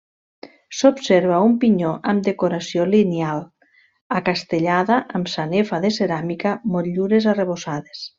S'observa un pinyó amb decoració lineal, acastellada amb sanefa de ceràmica, motllures arrebossades.